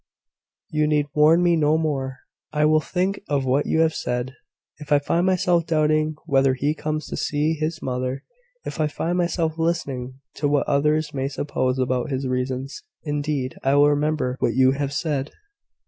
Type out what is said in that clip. You need warn me no more. I will think of what you have said, if I find myself doubting whether he comes to see his mother if I find myself listening to what others may suppose about his reasons. Indeed, I will remember what you have said."